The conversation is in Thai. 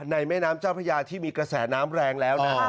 แม่น้ำเจ้าพระยาที่มีกระแสน้ำแรงแล้วนะฮะ